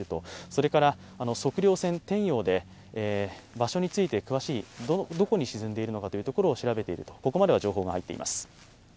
それから測量船「天洋」で場所について、どこに沈んでいるのかを調べている、ここまでは情報が入っています。